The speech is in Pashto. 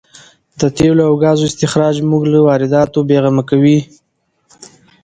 د تېلو او ګازو استخراج موږ له وارداتو بې غمه کوي.